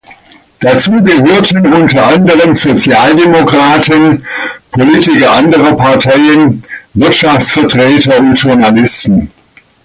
Dazu gehörten unter anderem Sozialdemokraten, Politiker anderer Parteien, Wirtschaftsvertreter und Journalisten.